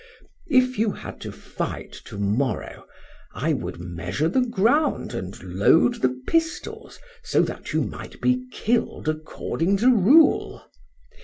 If you had to fight to morrow, I would measure the ground and load the pistols, so that you might be killed according to rule.